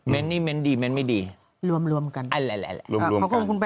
เม้นต์นี่เม้นต์ดีเม้นต์ไม่ดีรวมรวมกันอะไรอะไรรวมรวมกัน